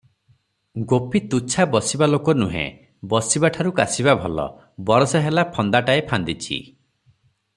ଗୋପୀ ତୁଚ୍ଛା ବସିବା ଲୋକ ନୁହେଁ, ବସିବାଠାରୁ କାଷିବା ଭଲ, ବରଷେ ହେଲା ଫନ୍ଦାଟାଏ ଫାନ୍ଦିଛି ।